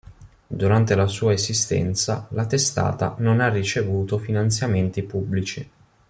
Durante la sua esistenza, la testata non ha ricevuto finanziamenti pubblici.